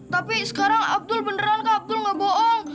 tapi sekarang abdul beneran kak abdul nggak bohong